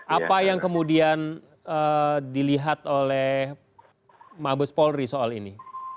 apa yang kemudian dilihat oleh mabes polri soal ini